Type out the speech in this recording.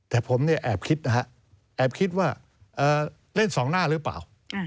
แต่ผมเนี่ยแอบคิดนะฮะแอบคิดว่าเล่นสองหน้าหรือเปล่า